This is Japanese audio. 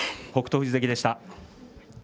富士関でした。